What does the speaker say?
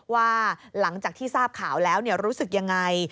ว่าหลังจากที่ทราบข่าวแล้วรู้สึกยังไง